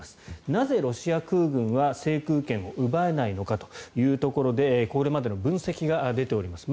なぜ、ロシア空軍は制空権を奪えないのかというところでこれまでの分析が出ております。